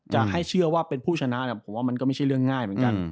จะให้เชื่อว่าเป็นผู้ชนะผมว่ามันก็ไม่ใช่เรื่องง่ายเหมือนกัน